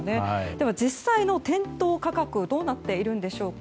では実際の店頭価格はどうなっているのでしょうか。